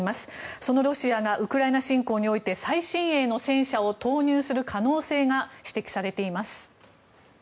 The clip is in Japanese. そのロシアがウクライナ侵攻において最新鋭の戦車を投入する可能性が指摘されています。